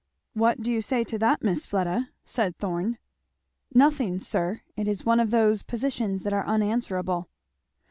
"What do you say to that, Miss Fleda?" said Thorn. "Nothing, sir; it is one of those positions that are unanswerable."